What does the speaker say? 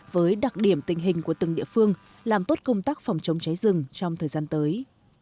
với đặc điểm tình hình của từng địa phương làm tốt công tác phòng chống cháy rừng trong thời gian tới